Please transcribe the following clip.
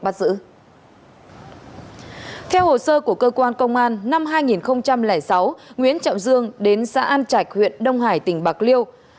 theo hồ sơ của cơ quan công an năm hai nghìn sáu nguyễn trọng dương đến xã an trạch huyện đông hải tỉnh bạc liêu